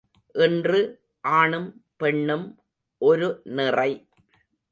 இன்று ஆணும் பெண்ணும் ஒரு நிறை.